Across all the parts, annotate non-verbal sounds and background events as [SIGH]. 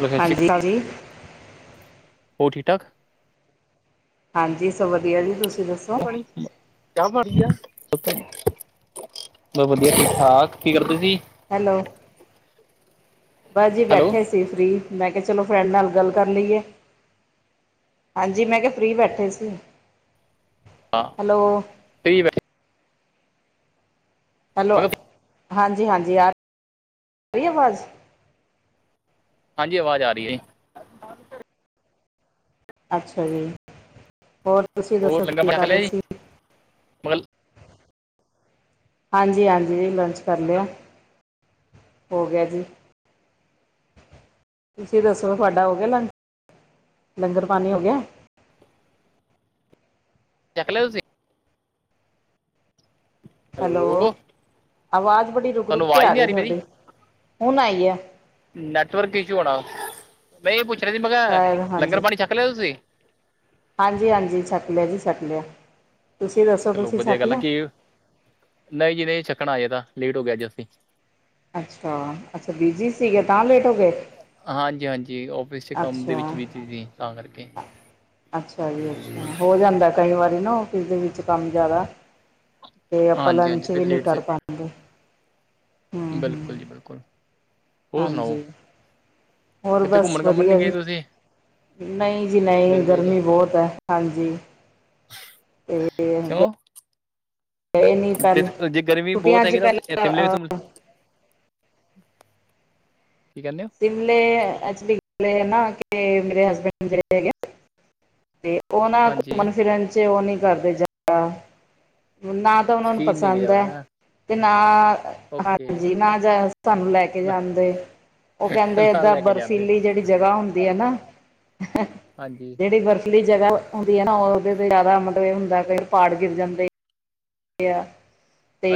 ਹੋਰ ਠੀਕ- ਹਾਂਜੀ ਹਾਂਜੀ ਠਾਕ ਹਾਂਜੀ ਸਭ ਵਧੀਆ ਜੀ ਤੁਸੀਂ ਦੱਸੋ ਕੋਣੀ ਚਾਹ ਬਣਦੀ, ਬਸ ਵਧੀਆ ਹਾਂ ਕੀ ਕਰਦੇ ਸੀ ਹੈਲੋ? ਬਸ ਜੀ ਹੈਲੋ ਬੈਠੇ ਸੀ ਫਰੀ ਮੈਂ ਕਿਹਾ ਚਲੋ ਫਰੈਂਡ ਨਾਲ ਗੱਲ ਕਰ ਲਈਏ ਹਾਂਜੀ ਮੈਂ ਕਿਹਾ ਫਰੀ ਬੈਠੇ ਸੀ ਹਾਂ ਹੈਲੋ ਫਰੀ ਬੈ ਹੈਲੋ, ਮੈਂ ਕਿਹਾ ਹਾਂਜੀ-ਹਾਂਜੀ ਆ ਰਹੀ ਆਵਾਜ਼ ਹਾਂਜੀ ਆਵਾਜ਼ ਆ ਰਹੀ ਹੈ ਜੀ ਅੱਛਾ ਜੀ, ਹੋਰ ਤੁਸੀਂ ਹੋਰ ਦੱਸੋ ਲੰਗਰ ਕੀ ਪਾਣੀ ਛੱਕ ਕਰ ਲਿਆ ਰਹੇ ਜੀ ਸੀ ਮਗਰ ਹਾਂਜੀ-ਹਾਂਜੀ, ਲੰਚ ਕਰ ਲਿਆ, ਹੋ ਗਿਆ ਜੀ ਤੁਸੀਂ ਦੱਸੋ ਤੁਹਾਡਾ ਹੋ ਗਿਆ ਲੰ, ਲੰਗਰ ਪਾਣੀ ਹੋ ਗਿਆ ਚੱਕ ਲਿਆਂ ਤੁਸੀਂ ਹੈਲੋ, ਆਵਾਜ਼ ਬੜੀ ਰੁਕ- ਤੁਹਾਨੂੰ ਰੁਕ ਕੇ ਆਵਾਜ਼ ਆ ਨਹੀਂ ਰਹੀ ਮੇਰੀ ਤੁਹਾਡੇ, ਹੁਣ ਆਈ ਆ ਨੈਟਵਰਕ ਇਸ਼ੂ ਹੋਣਾ, ਮੈਂ ਇਹ ਪੁੱਛ ਰਿਹਾ ਸੀ ਮੈਂ ਕਿਹਾ ਲੰਗਰ ਪਾਣੀ ਛੱਕ ਲਿਆ ਤੁਸੀਂ ਹਾਂਜੀ-ਹਾਂਜੀ ਛੱਕ ਲਿਆ ਜੀ, ਛੱਕ ਲਿਆ, ਤੁਸੀਂ ਦੱਸੋ ਚਲੋ ਤੁਸੀਂ ਵਧੀਆ ਛੱਕ ਗੱਲ ਆ ਲਿਆ ਕਿ ਨਹੀਂ ਜੀ ਨਹੀਂ ਛਕਣਾ ਹਜੇ ਤਾਂ ਲੇਟ ਹੋ ਗਿਆ ਅੱਜ ਅਸੀਂ ਅੱਛਾ-ਅੱਛਾ ਬੀਜੀ ਸੀਗੇ ਤਾਂ ਲੇਟ ਹੋ ਗਏ ਹਾਂਜੀ-ਹਾਂਜੀ ਆਫਿਸ ਚ ਕੰਮ ਦੇ ਅੱਛਾ ਵਿੱਚ ਬੀਜੀ ਸੀ ਤਾਂ ਕਰਕੇ ਅੱਛਾ ਜੀ ਅੱਛਾ, ਹੋ ਜਾਂਦਾ ਕਈ ਵਾਰੀ ਨਾ ਆਫਿਸ ਵਿੱਚ ਕੰਮ ਜ਼ਿਆਦਾ ਤੇ ਆਪਾਂ ਹਾਂਜੀ ਹਾਂਜੀ ਲੰਚ ਫਿਰ ਵੀ ਨਹੀ ਲੇਟ ਕਰ ਸੇ ਪਾਂਉਦੇ ਬਿਲਕੁਲ ਜੀ ਬਿਲਕੁਲ ਹੋਰ ਸੁਣਾਓ ਹਾਂਜੀ, ਹੋਰ ਕਿਤੇ ਬਸ ਘੁੰਮਣ ਘਾਮਣ ਵਧੀਆ ਨਹੀਂ ਗਏ ਜੀ ਤੁਸੀਂ ਨਹੀਂ ਜੀ ਨਹੀਂ ਗਰਮੀਆਂ 'ਚ ਗਰਮੀ ਬਹੁਤ ਹੈ ਹਾਂਜੀ [INAUDIBLE] ਤੇ ਗਏ ਨਹੀਂ ਤੇ ਪਹਿਲ ਜੇ ਗਰਮੀ ਛੁੱਟੀਆਂ ਬਹੁਤ ਚ ਹੈਗੀ ਤਾਂ ਸ਼ਿਮਲੇ ਵੀ ਪਹਿਲਾਂ ਸ਼ਿਮਲੇ ਕੀ ਕਹਿਣੇ ਹੋ ਸ਼ਿਮਲੇ ਵੱਲ ਨਿਕਲੇ ਹਨਾ। ਨਾ ਕਿ ਮੇਰੇ ਹਸਬੈਂਡ ਜਿਹੜੇ ਹੈਗੇ ਉਹ ਨਾ ਹਾਂਜੀ ਘੁੰਮਣ ਫਿਰਨ ਚ ਉਹ ਨੀ ਕਰਦੇ ਨਾ ਜਾਈਦਾ ਤਾਂ ਉਹਨਾ ਨੂੰ ਸ਼ੌਕੀਨ ਨਹੀਂ ਹੈਗੇ ਪਸੰਦ ਹੈ ਜ਼ਿਆਦਾ ਤੇ ਨਾ ਓਕੇ ਹਾਂਜੀ ਨਾ ਜਾ ਸਾਨੂੰ ਲੈ ਕੇ ਨਾ ਜਾਂਣਦੇ ਉਹ ਕਹਿੰਦੇ ਨਾਲ ਏਦਾਂ ਲੈ ਕੇ ਜਾਂਦੇ ਬਰਫੀਲੀ ਜਿਹੜੀ ਜਗ੍ਹਾ ਹੁੰਦੀ ਹੈ ਨਾ ਹਾਂਜੀ ਜਿਹੜੀ ਬਰਫੀਲੀ ਜਗ੍ਹਾ ਹੁੰਦੀ ਹੈ ਨਾ ਉਹਦੇ ਤੇ ਜਿਆਦਾ ਮੱਤਲਬ ਇਹ ਹੁੰਦਾ ਕੀ ਪਹਾੜ ਗਿਰ ਜਾਂਦੇ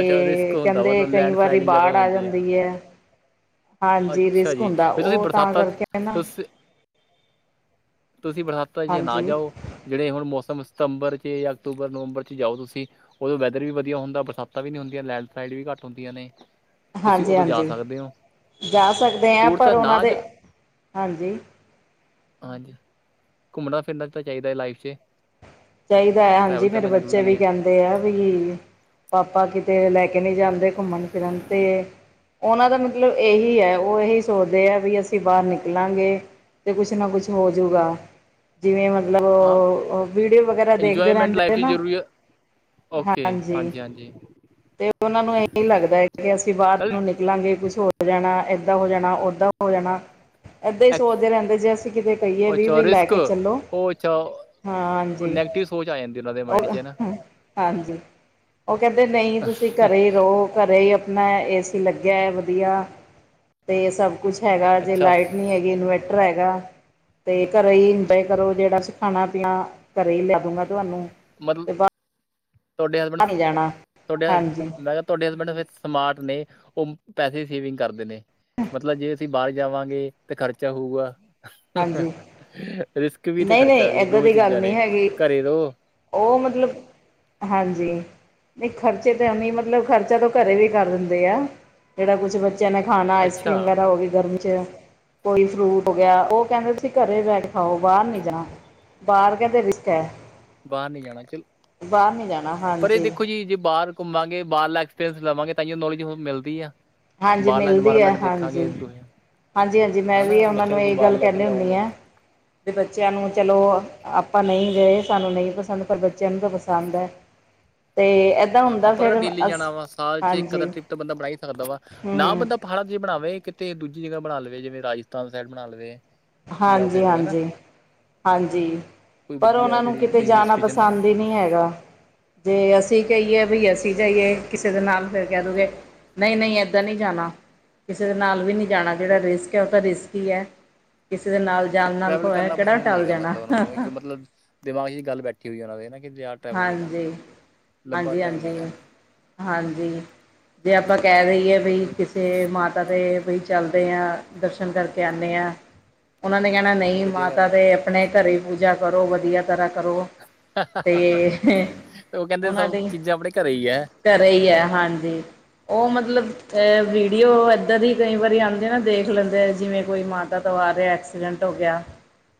ਅੱਛਾ ਰਿਸਕ ਹੁੰਦਾ ਕਹਿੰਦੇ ਮਤਲਬ ਕਈ ਲੈਂਡ ਵਾਰੀ ਸਲਾਈਡਿੰਗ ਜ਼ਿਆਦਾ ਬਾੜ ਆ ਹੁੰਦੀ ਜਾਂਦੀ ਹੈ ਹਾਂਜੀ ਅੱਛਾ ਰਿਸਕ ਜੀ ਹੁੰਦਾ ਫਿਰ ਤੁਸੀਂ ਉਹ ਤਾਂ ਬਰਸਾਤਾਂ ਕਰਕੇ ਨਾ ਤੁਸੀ ਤੁਸੀਂ ਬਰਸਾਤਾ ਜੇ ਨਾ ਹਾਂਜੀ ਜਾਓ ਜਿਹੜੇ ਹੁਣ ਮੌਸਮ ਸਤੰਬਰ ਚ ਜਾਂ ਅਕਤੂਬਰ ਨਵੰਬਰ ਚ ਜਾਓ ਤੁਸੀਂ ਉਦੋਂ ਵੈਦਰ ਵੀ ਵਧੀਆ ਹੁੰਦਾ ਬਰਸਾਤ ਵੀ ਨਹੀਂ ਹੁੰਦੀਆਂ ਲੈਂਡਸਲਾਈਡ ਵੀ ਘੱਟ ਹੁੰਦੀਆਂ ਨੇ ਤੁਸੀਂ ਹਾਂਜੀ ਉਦੋਂ ਜਾ ਹਾਂਜੀ ਸਕਦੇ ਹੋ ਜਾ ਸਕਦੇ ਆ ਟੂਰ ਪਰ ਤਾਂ ਉਹਨਾਂ ਨਾਜ ਦੇ ਹਾਂਜੀ ਹਾਂਜੀ ਘੁੰਮਣਾ ਫਿਰਨਾ ਤਾਂ ਚਾਹੀਦਾ ਹੈ ਲਾਈਫ 'ਚ ਚਾਹੀਦਾ ਹੈ ਹਾਂਜੀ ਟਰੈਵਲ ਮੇਰੇ ਕਰਨਾ ਬੱਚੇ ਜ਼ਰੂਰੀ ਵੀ ਹੈ ਕਹਿੰਦੇ ਆ ਵੀ ਪਾਪਾ ਕਿਤੇ ਲੈ ਕੇ ਨਹੀਂ ਜਾਂਦੇ ਘੁੰਮਣ ਫਿਰਨ ' ਉਹਨਾਂ ਦਾ ਮਤਲਬ ਇਹੀ ਹੈ ਉਹ ਇਹੀ ਸੋਚਦੇ ਹੈ ਵੀ ਅਸੀਂ ਬਾਹਰ ਨਿਕਲਾਂਗੇ ਤੇ ਕੁਛ ਨਾ ਕੁਛ ਹੋਜੂਗਾ ਜਿਵੇਂ ਮਤਲਬ ਹਾਂ ਵੀਡੀਓ ਵਗੈਰਾ ਦੇਖਦੇ ਇੰਜੋਏਮੈਂਟ ਲਾਈਫ ਰਹਿੰਦੇ ' ਨਾ ਜ਼ਰੂਰੀ ਹੈ ਓਕੇ ਹਾਂਜੀ ਹਾਂਜੀ ਤੇ ਉਹਨਾਂ ਨੂੰ ਇਹੀ ਲੱਗਦਾ ਹੈ ਕਿ ਅਸੀਂ ਬਾਹਰ ਚੱਲ ਨੂੰ ਨ ਨਿਕਲਾਂਗੇ ਕੁਛ ਹੋਰ ਹੋ ਜਾਣਾ ਏਦਾਂ ਹੋ ਜਾਣਾ ਓਦਾਂ ਹੋ ਜਾਣਾ ਏਦਾਂ ਹੀ ਐਕਸ ਸੋਚਦੇ ਰਹਿੰਦੇ ਜੇ ਅਸੀਂ ਕਿਤੇ ਕਹੀਏ ਵੀ ਅੱਛਾ ਵੀ ਲੈ ਰਿਸਕ ਕੇ ਚੱਲੋ ਉਹ ਅੱਛਾ ਹਾਂ ਉਹ ਹਾਂਜੀ ਨੈਗੇਟਿਵ ਸੋਚ ਆ ਜਾਂਦੀ ਉਹਨਾਂ ਦੇ ਮਾਇੰਡ ਉਹ 'ਚ ਹਨਾ ਹਾਂਜੀ ਉਹ ਕਹਿੰਦੇ ਨਹੀਂ ਤੁਸੀਂ ਘਰੇ ਰਹੋ ਘਰੇ ਹੀ ਆਪਣਾ ਏ ਸੀ ਲੱਗਿਆ ਹੈ ਵਧੀਆ ਤੇ ਇਹ ਸਭ ਕੁਛ ਹੈਗਾ ਜੇ ਅੱਛਾ ਲਾਈਟ ਨਹੀਂ ਹੈਗੀ ਇਨਵਰਟਰ ਹੈਗਾ ਅਤੇ ਘਰ ਹੀ ਇੰਜੋਏ ਕਰੋ ਜਿਹੜਾ ਅਸੀਂ ਖਾਣਾ ਪੀਣਾ ਘਰ ਹੀ ਲਿਆ ਦੂੰਗਾ ਤੁਹਾਨੂੰ ਮਤਲਬ ਅਤੇ ਬਾਹਰ ਤੁਹਾਡੇ ਹਸਬੈਂਡ ਨਹੀਂ ਜਾਣਾ ਹਾਂਜੀ ਤੁਹਾਡੇ ਤੁਹਾਡੇ ਹਸਬੈਂਡ ਵਿੱਚ ਸਮਾਰਟ ਨੇ ਉਹ ਪੈਸੇ ਸੇਵਿੰਗ ਕਰਦੇ ਨੇ ਮਤਲਬ ਜੇ ਅਸੀਂ ਬਾਹਰ ਜਾਵਾਂਗੇ ਤਾਂ ਖਰਚਾ ਹੋਊਗਾ ਹਾਂਜੀ ਰਿਸਕ ਵੀ ਤੇ ਨਹੀਂ ਖਰਚਾ ਨਹੀਂ ਵੀ ਇੱਦਾਂ ਦੋਵੇਂ ਦੀ ਗੱਲ ਚੀਜ਼ਾਂ ਨਹੀਂ ਨੇ ਹੈਗੀ ਘਰੇ ਰਹੋ ਉਹ ਮਤਲਬ ਹਾਂਜੀ ਨਹੀਂ ਖਰਚੇ ਤਾਂ ਐਵੇਂ ਮਤਲਬ ਖਰਚਾ ਤਾਂ ਘਰੇ ਵੀ ਕਰ ਦਿੰਦੇ ਆ ਜਿਹੜਾ ਕੁਛ ਬ ਬੱਚਿਆਂ ਨੇ ਖਾਣਾ ਅੱਛਾ ਆਈਸਕ੍ਰੀਮ ਵਗੈਰਾ ਉਹ ਵੀ ਗਰਮ 'ਚ ਕੋਈ ਫਰੂਟ ਹੋ ਗਿਆ ਉਹ ਕਹਿੰਦੇ ਤੁਸੀਂ ਘਰੇ ਬੈ ਕੇ ਖਾਓਗੇ ਬਾਹਰ ਨੀ ਜਾ ਬਾਹਰ ਕੇ ਤੇ ਰਿਸਕ ਹੈ ਬਾਹਰ ਨੀ ਜਾਣਾ ਚਲ ਬਾਹਰ ਨਹੀਂ ਜਾਣਾ ਪਰ ਇਹ ਹਾਂਜੀ ਦੇਖੋ ਜੀ ਜੇ ਬਾਹਰ ਘੁੰਮਾਂਗੇ ਬਾਹਰਲਾ ਐਕਸਪੀਰੀਅੰਸ ਲਵਾਂਗੇ ਤਾਂਹੀ ਉਹ ਨੌਲੇਜ ਮਿਲਦੀ ਆ ਹਾਂਜੀ ਬਾਹਰਲਾ ਮਿਲਦੀ ਹੈ ਇਨਵਾਇਰਮੈਂਟ ਦੇਖਾਂਗੇ ਹਾਂਜੀ ਤੁਸੀਂ ਹਾਂਜੀ ਹਾਂਜੀ ਮੈਂ ਹਨਾ ਵੀ ਉਹਨਾਂ ਬੱਚਿਆਂ ਨੂੰ ਤੁਸੀਂ ਇਹ ਬਾਹਰ ਗੱਲ ਲੈ ਕੇ ਕਹਿੰਦੀ ਹੁੰਦੀ ਜਾਓਗੇ ਹਾਂ ਤੇ ਬੱਚਿਆਂ ਨੂੰ ਚਲੋ ਆਪਾਂ ਨਹੀਂ ਗਏ ਸਾਨੂੰ ਨਹੀਂ ਪਸੰਦ ਪਰ ਬੱਚਿਆਂ ਨੂੰ ਤਾਂ ਪਸੰਦ ਹੈ ਤੇ ਹਾਂ ਆਪਾਂ ਕਿਹੜਾ ਡੇਲੀ ਜਾਣਾ ਵਾ ਸਾਲ ਚ ਇਕ ਅੱਧਾ ਟ੍ਰਿਪ ਤਾਂ ਬੰਦਾ ਬਣਾ ਹੀ ਸਕਦਾ ਵਾ ਹੂੰ ਨਾ ਹੂੰ ਬੰਦਾ ਪੜਤ ਜ ਬਣਾਵੇ ਕਿਤੇ ਦੂਜੀ ਜਗ੍ਹ ਬਣਾ ਲਵੇ ਜਿਵੇ ਰਾਜਸਥਾਨ ਸਾਈਡ ਬਣਾ ਲਵੇ ਜਾਂ ਹਾਂਜੀ ਫਿਰ ਹਨਾ ਹਾਂਜੀ ਹਾਂਜੀ! ਕੋਈ ਪਰ ਵਧੀਆ ਉਹਨਾਂ ਨੂੰ ਜਿਹੜੀ ਕਿਤੇ ਜਿੱਥੇ ਹਿਲ ਜਾਣਾ ਸਟੇਸ਼ਨ ਨਾ ਪਸੰਦ ਹੀ ਨਹੀਂ ਹੈਗਾ। ਜੇ ਅਸੀਂ ਕਹੀਏ ਬਈ ਅਸੀਂ ਜਾਈਏ। ਕਿਸੇ ਦੇ ਨਾਲ, ਫਿਰ ਕਹਿ ਦੋਗੇ, ਨਹੀਂ- ਨਹੀਂ ਏਦਾਂ ਨਹੀਂ ਜਾਣਾ ਕਿਸੇ ਦੇ ਨਾਲ ਵੀ ਨਹੀਂ। ਜਾਣਾ ਜਿਹੜਾ ਰਿਸਕ ਹੈ, ਉਹ ਤਾਂ ਰਿਸਕ ਹੀ ਹੈ। ਕਿਸੇ ਦੇ ਨਾਲ ਜਾਣ, ਨਾਲ ਟਰੈਵਲ ਕਰਨਾ ਕਿਹੜਾ ਪਸੰਦ ਨਹੀਂ ਟਲ ਹੈਗਾ। ਜਾਣਾ ਮਤਲਬ ਉਹਨਾ ਨੂੰ, ਇੱਕ ਮਤਲਬ ਦਿਮਾਗ ਚ ਗੱਲ ਬੈਠੀ ਹੋਈ ਉਹਨਾਂ ਦੇ। ਨਾ ਕਿ ਟਰੈਵਲ ਨਹੀਂ ਹਾਂਜੀ। ਕਰਨਾ ਲੰਬਾ ਹਾਂਜੀ ਟਰੈਵਲ ਨਹੀਂ ਹਾਂਜੀ ਕਰਨਾ। ਹਾਂਜੀ, ਜੇ ਆਪਾਂ ਕਹਿ ਦਇਏ ਬਟ ਬਈ। ਕਿਸੇ ਮਾ ਮਾਤਾ ਤੇ ਬਈ ਚੱਲਦੇ ਆ, ਦਰਸ਼ਨ ਕਰਕੇ ਆਉਂਦੇ ਹਾ। ਉਹਨਾਂ ਨੇ ਕਹਿਣਾ, ਨਹੀਂ ਵਧੀਆ ਮਾਤਾ ਗੱਲ ਆ ਤੇ ਆਪਣੇ ਘਰੇ ਪੂਜਾ ਕਰੋ, ਵਧੀਆ ਤਰ੍ਹਾਂ ਕਰੋ। ਤੇ ਉਹ ਕਹਿੰਦੇ ਉਹਨਾਂ ਸਭ ਦੀ ਚੀਜ਼ਾਂ ਆਪਣੇ ਘਰੇ ਹੀ ਹੈ। ਘਰੇ ਹੀ ਹੈ। ਹਾਂਜੀ, ਉਹ ਮਤਲਬ? ਵੀਡੀਓ ਇਹਦਾ ਦੀ, ਕਈ ਵਾਰੀ ਆਉਂਦੇ ਨਾ। ਦੇਖ ਲੈਂਦੇ ਆ ਜਿਵੇਂ, ਕੋਈ ਮਾਤਾ ਤੋਂ ਆ ਰਿਹਾ। ਏਸੀ ਐਕਸੀਡੈਂਟ ਹੋ ਗਿਆ।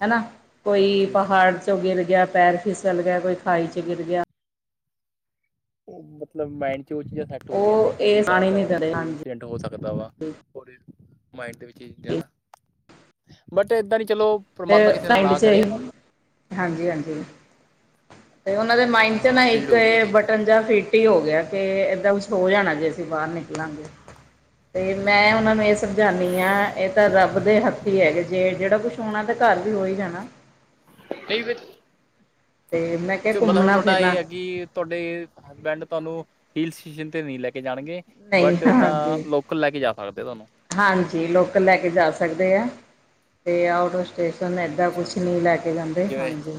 ਹੈਨਾ! ਕੋਈ ਓਕੇ ਪਹਾੜ ਚੋਂ ਗਿਰ ਗਿਆ, ਪੈਰ ਫਿਸਲ ਗਿਆ, ਕੋਈ ਖਾਈ ਚ ਗਿਰ ਗਿਆ। ਮਤਲਬ ਮਾਇੰਡ ਚ ਉਹ ਚੀਜ਼ਾਂ ਸੈੱਟ ਹੋ ਗਈਆਂ ਨੇ। ਉਹ ਕਿ ਬਈ ਇਹ ਬਾਹਰ ਆਣੇ ਨਹੀਂ ਜਾਵਾਂਗੇ ਤੇ ਦਿੰਦੇ ਕੋਈ ਹਾਂਜੀ ਇੰਸੀਡੈਂਟ ਹੋ ਸਕਦਾ ਵਾ। ਮਾਇੰਡ ਦੇ ਵਿੱਚ ਆ ਚੀਜ਼ਾਂ ਨਾ, ਬਟ ਏਦਾਂ ਨਹੀਂ ਚਲੋ, ਤੇ ਪ੍ਰਮਾਤਮਾ ਕਿਸੇ ਨਾਲ ਐਂਡ ਨਾ ਚ ਕਰੇ ਇਹੀ? ਹਾਂਜੀ-ਹਾਂਜੀ, ਤੇ ਉਹਨਾਂ ਦੇ ਮਾਈੰਡ ਚ ਨਾ ਹਾਂ ਫੀਡ ਇੱਕ ਹੋ ਗਈ ਇਹ ਚੀਜ਼ ਬਟਨ ਜਾਂ ਫੀਟ- ਟੀ ਹੋ ਗਿਆ। ਕੇ ਏਦਾਂ ਕੁਛ ਹੋ ਜਾਣਾ ਜੇ ਅਸੀਂ ਬਾਹਰ ਨਿਕਲਾਂਗੇ। ਤੇ ਮੈਂ ਉਹਨਾਂ ਨੂੰ ਇਹ ਸਮਝਾਉਂਦੀ ਹਾਂ, ਇਹ ਤਾਂ ਰੱਬ ਦੇ ਹੱਥ ਹੀ ਹੈਗਾ। ਜੇ ਜਿਹੜਾ ਕੁਛ, ਹੋਣਾ ਤੇ ਘਰ ਵੀ ਹੋ ਹੀ ਜਾਣਾ। ਤੇ ਮੈਂ ਕਿਹਾ ਮਤਲਬ ਹੁਣ ਘੁੰਮਣਾ ਤੁਹਾਡਾ ਫਿਰਨਾ ਇਹ ਹੈ ਕਿ। ਤੁਹਾਡੇ ਹਸਬੈਂਡ ਤੁਹਾਨੂੰ, ਹਿਲ ਸਟੇਸ਼ਨ ਤੇ ਨਹੀਂ ਲੈ ਕੇ ਜਾਣਗੇ। ਨਹੀਂ ਬਟ ਏਦਾਂ, ਹਾਂਜੀ ਲੋਕਲ ਲੈਕੇ ਜਾ ਸਕਦੇ ਤੁਹਾਨੂੰ? ਹਾਂਜੀ, ਲੋਕਲ ਲੈ ਕੇ ਜਾ ਸਕਦੇ ਐ। ਤੇ ਆਓਟ ਆਫ਼ - ਸਟੇਸ਼ਨ ਏਦਾਂ ਕੁਛ ਅੱਛਾ ਨਹੀਂ ਲੈ ਕੇ ਜਾਂਦੇ ਜਿਵੇਂ ਹਾਂਜੀ।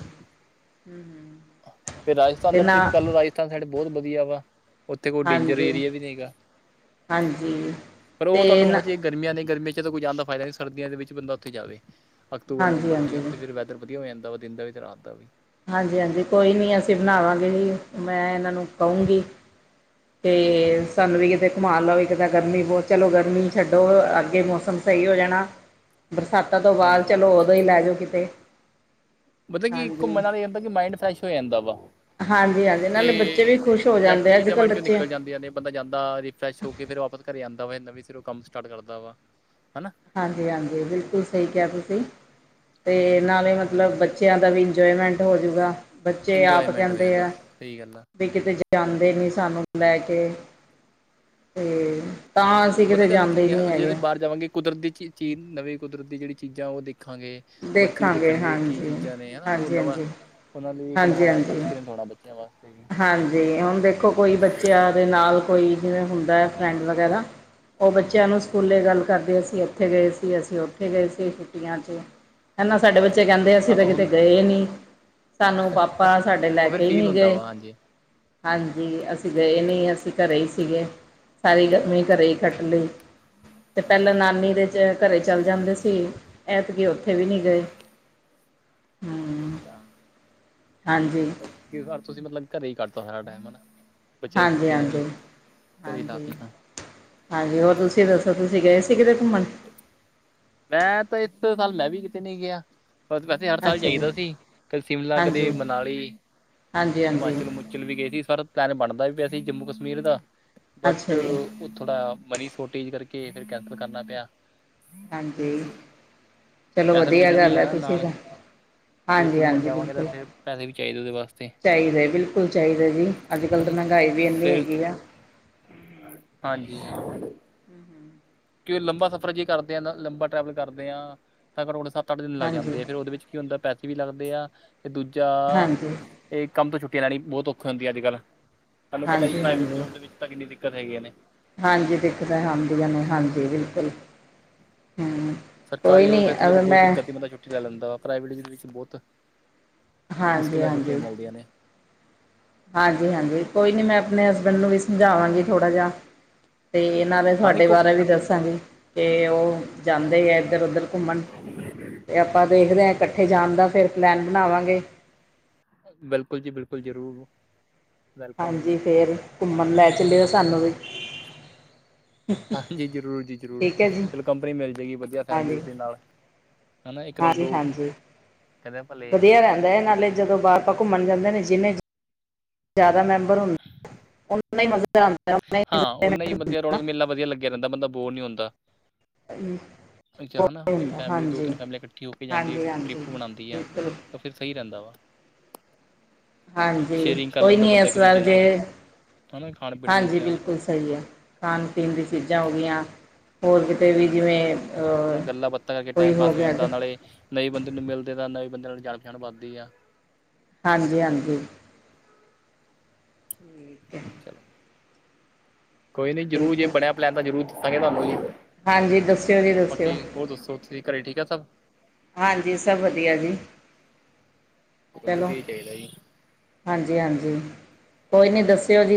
ਫਿਰ ਰਾਜਸਥਾਨ ਤੇ ਦਾ ਨਾ ਟ੍ਰਿਪ ਕਰ ਲੋ, ਰਾਜਸਥਾਨ ਸਾਈਡ ਬਹੁਤ ਵਧੀਆ ਵਾ। ਉੱਥੇ ਕੋਈ ਡੇਂਜਰ ਹਾਂਜੀ ਏਰੀਆ, ਵੀ ਨਹੀਂ ਹੈਗਾ। ਹਾਂਜੀ ਪਰ ਉਹ ਤੇ ਤੁਹਾਨੂੰ ਨਾ ਹਜੇ ਗਰਮੀਆਂ ਨੇ ਗਰਮੀਆਂ ਚ ਤਾਂ ਕੋਈ ਜਾਣ ਦਾ ਫਾਇਦਾ ਨਹੀਂ। ਸਰਦੀਆਂ ਦੇ ਵਿੱਚ ਬੰਦਾ ਉੱਥੇ ਜਾਵੇ। ਅਕਤੂਬਰ ਹਾਂਜੀ ਨਵੰਬਰ ਚ ਹਾਂਜੀ ਉੱਥੇ ਫਿਰ ਵੈਦਰ? ਵਧੀਆ ਹੋ ਜਾਂਦਾ ਵਾ। ਦਿਨ ਦਾ ਵੀ, ਤੇ ਰਾਤ ਦਾ ਵੀ, ਹਾਂਜੀ-ਹਾਂਜੀ! ਕੋਈ ਨਹੀਂ ਅਸੀਂ ਬਣਾਵਾਂਗੇ ਜੀ, ਮੈਂ ਇਹਨਾਂ ਨੂੰ ਕਹੂੰਗੀ। ਤੇ ਸਾਨੂੰ ਵੀ ਹਾਂ ਕਿਤੇ ਘੁਮਾ ਲਓ ਵੀ ਕਿਤੇ। ਗਰਮੀ ਬਹੁਤ, ਚਲੋ ਗਰਮੀ ਛੱਡੋ, ਅੱਗੇ ਮੌਸਮ ਸਹੀ ਹੋ ਜਾਣਾ। ਬਰਸਾਤਾਂ ਤੋਂ ਬਾਅਦ, ਹਾਂਜੀ ਚਲੋ ਉਦੋਂ ਹੀ ਲੈ ਜਾਓ ਕਿਤੇ। ਮਤਲਬ ਕਿ ਹਾਂਜੀ ਘੁੰਮਣ ਇਹ ਹੁੰਦਾ ਕਿ ਮਾਇੰਡ ਫਰੈਸ਼ ਹੋ ਜਾਂਦਾ ਵਾ। ਹਾਂਜੀ ਹਾਂਜੀ ਤੇ ਨਾਲੇ ਬੱਚੇ ਵੀ ਖੁਸ਼ ਹੋ ਜਾਂਦੇ ਨੈਗੇਟਿਵ ਅੱਜ ਚੀਜ਼ਾਂ ਕੱਲ੍ਹ ਮਾਈਡ ਚੋਂ ਬੱਚੇ ਨਿਕਲ ਜਾਂਦੀਆਂ ਨੇ। ਬੰਦਾ ਜਾਂਦਾ ਰਿਫਰੈਸ਼ ਹੋ ਕੇ, ਫਿਰ ਵਾਪਸ ਘਰੇ ਆਉਂਦਾ ਹੋਵੇ। ਨਾਵੇ ਸਿਰੋ ਕੰਮ ਸਟਾਰਟ ਕਰਦਾ ਵਾ। ਹੈਨਾ। ਹਾਂਜੀ-ਹਾਂਜੀ, ਬਿਲਕੁਲ ਸਹੀ ਕਿਹਾ ਤੁਸੀਂ ਤੇ ਨਾਲੇ ਹਾਂਜੀ ਮਤਲਬ ਬ? ਬੱਚਿਆਂ ਦਾ ਵੀ ਇੰਜੋਏਮੈਂਟ ਹੋਜੂਗਾ। ਬੱਚੇ ਆਪ ਇੰਜੋਏਮੈਂਟ ਹੋ ਕਹਿੰਦੇ ਜਾਂਦਾ ਆ। ਸਹੀ ਗੱਲ ਆ ਵੀ ਕਿਤੇ ਜਾਂਦੇ ਨੀ ਸਾਨੂੰ ਲੈ ਕੇ। ਤੇ ਤਾਂ ਅਸੀਂ ਪਤਾ ਕਿਤੇ ਗੱਲ ਜਾਂਦੇ ਕੀ ਹੈ। ਨਹੀਂ ਜੇ ਅਸੀਂ ਹੈਗੇ ਬਾਹਰ ਜਾਵਾਂਗੇ, ਕੁਦਰਤੀ ਚੀ ਚੀਜ਼ ਨਵੀਂ ਕੁਦਰਤ ਦੀ ਜਿਹੜੀ ਚੀਜ਼ਾਂ ਉਹ ਦੇਖਾਂਗੇ। ਬੱਚੇ ਵੀ ਦੇਖਾਂਗੇ ਦੇਖਣਗੇ ਕੀ ਹਾਂਜੀ ਚੀਜ਼ਾਂ ਨੇ ਹੈਨਾ। ਉਹ ਹਾਂਜੀ ਨਵਾਂ ਹਾਂਜੀ ਉਹਨਾਂ ਲਈ ਇੱਕ ਹਾਂਜੀ ਨਵਾਂ ਹਾਂਜੀ ਐਕਸਪੀਰੀਅੰਸ ਹੋਣਾ। ਬ ਬੱਚਿਆਂ ਵਾਸਤੇ। ਹਾਂਜੀ! ਹੁਣ ਦੇਖੋ ਕੋਈ ਬੱਚਾ? ਦੇ ਨਾਲ ਕੋਈ, ਜਿਵੇਂ ਹੁੰਦਾ ਹੈ। ਫਰੈਂਡ ਵਗੈਰਾ, ਉਹ ਬੱਚਿਆਂ ਨੂੰ ਸਕੂਲੇ ਗੱਲ ਕਰਦੇ। ਅਸੀਂ ਜੀ ਉੱਥੇ ਗਏ ਸੀ, ਅਸੀਂ ਉੱਥੇ ਗਏ ਸੀ। ਛੁੱਟੀਆਂ ਚ, ਹੈਨਾ ਸਾਡੇ ਬੱਚੇ ਕਹਿੰਦੇ, ਅਸੀਂ ਹਾਂ ਤਾਂ ਕਿਤੇ ਹੁਣ ਗਏ ਨਹੀ,? ਸਾਨੂੰ ਪਾਪਾ, ਸਾਡੇ ਲੈ ਉਹ ਫਿਰ ਕੇ ਹੀ ਫੀਲ ਨਹੀਂ ਹੁੰਦਾ ਗਏ। ਵਾ ਹਾਂਜੀ ਹਾਂਜੀ, ਅਸੀਂ ਗਏ ਨਹੀਂ ਅਸੀਂ ਘਰੇ ਹੀ ਸੀਗੇ। ਸਾਰੀ ਗਰਮੀ ਘਰੇ ਹੀ ਕੱਟ ਲਈ। ਤੇ ਹਾਂ ਪਹਿਲਾਂ ਉਹੀ ਤਾਂ ਨਾਨੀ ਗੱਲ ਦੇ ਹੈ ਨਾ ਜੀ ਘਰੇ ਚੱਲ ਜਾਂਦੇ ਸੀ ਐਤਕਿ ਉੱਥੇ ਵੀ ਨਹੀਂ ਗਏ ਹਮ ਅੱਛਾ ਹਾਂਜੀ ਕਿਸ ਵਾਰ ਤੁਸੀਂ ਮਤਲਬ ਘਰੇ ਹੀ ਕੱਤਾ ਹੋ ਸਾਰਾ ਟਾਈਮਾ ਘਰੇ ਹਾਂਜੀ-ਹਾਂਜੀ-ਹਾਂਜੀ ਲਾਤੀਆਂ ਹਾਂਜੀ ਹੋਰ ਤੁਸੀਂ ਦੱਸੋ ਤੁਸੀਂ ਗਏ ਸੀ ਕਿਤੇ ਘੁੰਮਣ ਮੈਂ ਤਾਂ ਇਥੇ ਸਾਲ ਮੈਂ ਵੀ ਕਿਤੇ ਨਹੀਂ ਗਿਆ ਹਰ ਸਾਲ ਅੱਛਾ ਜੀ ਜਾਈਦਾ ਸੀ ਕਦੇ ਸ਼ਿਮਲਾ ਕਦੇ ਹਾਂਜੀ ਮਨਾਲੀ ਹਾਂਜੀ ਹਾਂਜੀ ਹਿਮਾਚਲ ਹਿਮਾਚਲ ਵੀ ਗਏ ਸੀ ਸਰ ਪਲੈਨ ਬਣਦਾ ਵੀ ਪਿਆ ਸੀ ਜੰਮੂ ਕਸ਼ਮੀਰ ਦਾ ਬਟ ਅੱਛਾ ਜੀ ਉਹ ਥੋੜਾ ਮਨੀ ਸ਼ੋਰਟੇਜ ਕਰਕੇ ਫਿਰ ਕੈਂਸਲ ਕਰਨਾ ਪਿਆ ਹਾਂਜੀ ਚਲੋ ਪੈਸਾ ਵੀ ਵਧੀਆ ਜ਼ਰੂਰੀ ਗੱਲ ਹੈ ਨਾ ਤੁਸੀਂ ਨਾਲ ਤਾਂ ਜੇ ਹਾਂਜੀ ਘੁੰਮਣ ਹਾਂਜੀ ਜਾਵਾਂਗੇ ਤਾਂ ਬਿਲਕੁੱਲ ਫਿਰ ਪੈਸੇ ਵੀ ਚਾਹੀਦੇ ਉਹਦੇ ਵਾਸਤੇ ਚਾਹੀਦਾ ਬਿਲਕੁੱਲ ਚਾਹੀਦਾ ਜੀ ਅੱਜ ਕੱਲ੍ਹ ਤਾਂ ਹਾਂਜੀ ਮਹਿੰਗਾਈ ਵੀ ਇੰਨੀ ਫਿਰ ਹੈਗੀ ਆ ਹਾਂਜੀ ਹਮ ਹਮ ਕਿ ਲੰਬਾ ਸਫ਼ਰ ਜੇ ਕਰਦੇ ਹਾਂ ਨਾ ਲੰਬਾ ਟਰੈਵਲ ਕਰਦੇ ਹਾਂ ਤਾਂ ਘੱਟੋ ਘੱਟ ਸੱਤ ਅੱਠ ਦਿਨ ਲੱਗ ਹਾਂਜੀ ਜਾਂਦੇ ਆ ਫਿਰ ਉਹਦੇ ਵਿੱਚ ਕਿ ਹੁੰਦਾ ਪੈਸੇ ਵੀ ਲੱਗਦੇ ਆ ਤੇ ਦੂਜਾ ਹਾਂਜੀ ਇਹ ਕੰਮ ਤੋਂ ਛੁੱਟੀਆਂ ਲੈਣੀ ਬਹੁਤ ਔਖੇ ਹੁੰਦੀਆਂ ਅੱਜ ਕੱਲ੍ਹ ਤੁ ਸਾਨੂੰ ਪਤਾ ਹੀ ਹਾਂਜੀ ਪ੍ਰਾਈਵੇਟ ਹਾਂਜੀ ਜੋਬ ਦੇ ਵਿੱਚ ਤਾਂ ਕਿੰਨੀ ਦਿੱਕਤ ਹੈਗੀਆਂ ਨੇ ਹਾਂਜੀ ਦਿੱਕਤਾਂ ਆਂਦੀਆਂ ਨੇ ਹਾਂਜੀ ਬਿਲਕੁਲ ਹਮ ਸਰਕਾਰੀ ਹੋਵੇ ਫਿਰ ਚਲ ਕੋਈ ਦਿੱਕਤ ਨੀ ਬੰਦਾ ਛੁੱਟੀ ਛੁੱਟੀ ਲਾ ਲੈਂਦਾ ਵਾ ਪ੍ਰਾਈਵੇਟ ਵਿੱਚ ਬਹੁਤ ਮੁਸ਼ਕਿਲ ਹਾਂਜੀ ਨਾਲ ਛੁੱਟੀਆਂ ਹਾਂਜੀ ਮਿਲਦੀਆਂ ਨੇ ਹਾਂਜੀ ਹਾਂਜੀ ਕੋਈ ਨੀ ਮੈਂ ਆਪਣੇ ਹਸਬੈਂਡ ਨੂੰ ਵੀ ਸਮਝਾਵਾਂਗੀ ਥੋੜਾ ਜਿਹਾ ਤੇ ਇਹਨਾਂ ਨੇ ਹਾਂ ਤੁਹਾਡੇ ਦੇਖੋ ਬਾਰੇ ਵੀ ਦੱਸਾਂਗੇ ਕਿ ਉਹ ਜਾਂਦੇ ਹੈ ਇੱਧਰ ਉੱਧਰ ਘੁੰਮਣ ਤੇ ਆਪਾਂ ਦੇਖਦੇ ਹਾਂ ਇਕੱਠੇ ਜਾਣ ਦਾ ਫਿਰ ਪਲੈਨ ਬਣਾਵਾਂਗੇ ਬਿਲਕੁੱਲ ਜੀ ਬਿਲਕੁੱਲ ਜਰੂਰ ਹਾਂਜੀ ਫਿਰ ਘੁੰਮਣ ਲੈ ਚੱਲਿਉ ਸਾਨੂੰ ਵੀ ਹਾਂ ਜੀ ਜ਼ਰੂਰ ਜੀ ਜ਼ਰੂਰ ਠੀਕ ਹੈ ਜੀ ਚਲੋ ਕੰਪਨੀ ਮਿਲ ਜਾਏਗੀ ਵਧੀਆ ਫੈਮਲੀ ਹਾਂਜੀ ਦੇ ਨਾਲ ਹੈ ਨਾ ਇੱਕ ਨਾਲ ਹਾਂਜੀ ਦੋ ਹਾਂਜੀ ਕਹਿੰਦੇ ਭਲੇ ਆ ਵਧੀਆ ਰਹਿੰਦਾ ਹੈ ਇਹ ਉਹ ਨਾਲੇ ਸਹੀ ਜਦੋਂ ਬਾਰ ਆਪਾ ਘੁੰਮਣ ਜਾਂਦੇ ਨੇ ਜਿੰਨੇ ਜ਼ਿਆਦਾ ਮੈਂਬਰ ਹੁੰਦਾ ਉਹਨਾਂ ਦਾ ਹੀ ਮਜ਼ਾ ਆਂਦਾ ਹਾਂ ਨਾ ਹੀ ਵਧੀਆ ਰੌਣਕ ਮਿਲਣਾ ਵਧੀਆ ਲੱਗਿਆ ਰਹਿੰਦਾ ਬੰਦਾ ਬੋਰ ਨਹੀਂ ਹੁੰਦਾ ਅੱਛਾ ਹਨਾ ਇੱਕ ਫੈਮਿਲੀ ਦੋ ਹਾਂਜੀ ਤਿੰਨ ਫੈਮਲੀ ਇਕੱਠੀ ਹੋ ਕੇ ਜਾਂਦੀ ਹੈ ਹਾਂਜੀ ਇੱਕ ਹਾਂਜੀ ਟ੍ਰਿਪ ਬਣਾਉਂਦੀ ਆ ਬਿਲਕੁਲ ਤਾਂ ਫਿਰ ਸਹੀ ਰਹਿੰਦਾ ਵਾ ਹਾਂਜੀ ਸ਼ੇਅਰਿੰਗ ਕਰ ਕੋਈ ਲੈਂਦਾ ਨੀ ਬੰਦਾ ਇਸ ਇੱਕ ਵਾਰ ਦੂਜੇ ਜੇ ਨਾਲ ਹਨਾ ਖਾਣ ਪੀਣ ਦੀ ਹਾਂਜੀ ਚੀਜ਼ਾਂ ਬਿਲਕੁੱਲ ਸਹੀ ਆ ਖਾਣ ਪੀਣ ਦੀ ਚੀਜ਼ਾਂ ਹੋ ਗਈਆਂ ਹੋਰ ਕਿਤੇ ਵੀ ਜਿਵੇਂ ਅ ਨਾਲ ਗੱਲਾਂ ਬਾਤਾਂ ਕਰਕੇ ਕੋਈ ਟਾਈਮ ਪਾਸ ਹੋ ਗਿਆ ਜਾਂਦਾ ਨਾਲੇ ਨਵੇਂ ਬੰਦੇ ਨੂੰ ਮਿਲਦੇ ਤਾਂ ਨਵੇਂ ਬੰਦੇ ਨਾਲ ਜਾਣ ਪਛਾਣ ਵੱਧਦੀ ਆ ਹਾਂਜੀ ਹਾਂਜੀ ਠੀਕ ਹੈ ਚਲੋ ਕੋਈ ਨੀ ਜਰੂਰ ਜੇ ਬਿਲਕੁਲ ਬਣਿਆ ਪਲੈਨ ਤਾਂ ਜਰੂਰ ਦੱਸਾਂਗੇ ਤੁਹਾਨੂੰ ਜੀ ਹਾਂਜੀ ਦੱਸਿਓ ਜੀ ਦੱਸਿਓ ਬਾਕੀ ਹੋਰ ਦੱਸੋ ਤੁਸੀਂ ਘਰੇ ਠੀਕ ਆ ਸਭ ਹਾਂਜੀ ਸਭ ਵਧੀਆ ਜੀ ਚਲੋ ਵਧੀਆ ਚਾਹੀਦਾ ਜੀ ਹਾਂਜੀ ਹਾਂਜੀ ਕੋਈ ਨੀ ਦੱਸਿਓ ਜੀ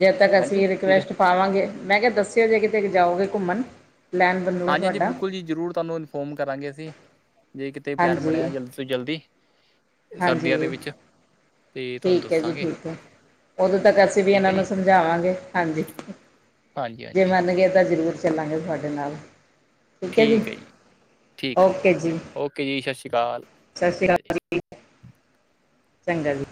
ਜਦੋ ਤੱਕ ਹਾਂਜੀ ਅਸੀਂ ਠੀਕ ਹੈ ਰਿਕੁਐਸਟ ਪਾਵਾਂਗੇ ਮੈਂ ਕਿਹਾ ਦੱਸਿਓ ਜੇ ਕਿਤੇ ਜਾਓਗੇ ਘੁੰਮਣ ਪਲੈਨ ਬਣੂਗਾ ਹਾਂਜੀ ਹਾਂਜੀ ਤੁਹਾਡਾ ਬਿਲਕੁੱਲ ਜੀ ਜ਼ਰੂਰ ਤੁਹਾਨੂੰ ਇਨਫੋਰਮ ਕਰਾਂਗੇ ਅਸੀਂ ਜੇ ਕਿਤੇ ਪਲੈਨ ਹਾਂਜੀ ਬਣਿਆ ਜਲਦੀ ਤੋਂ ਜਲਦੀ ਸਰਦੀਆਂ ਦੇ ਹਾਂਜੀ ਵਿੱਚ ਤੇ ਤੁਹਾਨੂੰ ਠੀਕ ਹੈ ਜੀ, ਦੱਸਾਂਗੇ ਠੀਕ ਹੈ, ਉਦੋਂ ਤੱਕ ਅਸੀਂ ਵੀ ਠੀਕ ਇਹਨਾਂ ਹੈ ਜੀ ਨੂੰ ਸਮਝਾਵਾਂਗੇ ਹਾਂਜੀ। ਹਾਂਜੀ ਜੇ ਹਾਂਜੀ ਮੰਨ ਗਏ ਤਾਂ ਜ਼ਰੂਰ ਚੱਲਾਂਗੇ ਤੁਹਾਡੇ ਨਾਲ ਠੀਕ ਹੈ ਜੀ, ਠੀਕ ਆ ਓਕੇ ਜੀ। ਓਕੇ ਜੀ, ਸਤਿ ਸ਼ੀ ਅਕਾਲ। ਸਤਿ ਸ੍ਰੀ ਅਕਾਲ ਜੀ, ਚੰਗਾ ਜੀ।